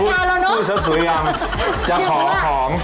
เดี๋ยวพูดสุดสวยอย่างจะขอของ